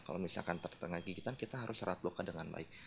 kalau misalkan tertengah gigitan kita harus serat luka dengan baik